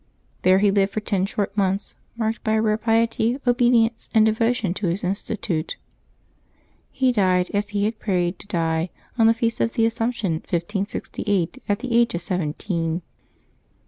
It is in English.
There he lived for ten short months marked by a rare piety, obedience, and devotion to his institute. He died, as he had prayed to die, on the feast of the Assumption, 1568, at the age of seventeen.